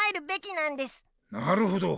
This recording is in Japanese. なるほど。